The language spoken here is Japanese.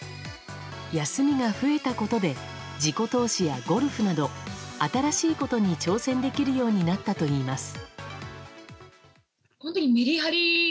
休みが増えたことで自己投資やゴルフなど新しいことに挑戦できるようになったといいます。